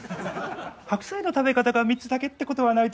白菜の食べ方が３つだけってことはないと思いますが。